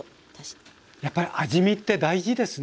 やっぱり味見って大事ですね。